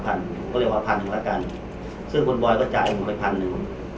พันก็เลยบอกว่าพันหนึ่งแล้วกันซึ่งคุณบอยก็จ่ายผมไปพันหนึ่ง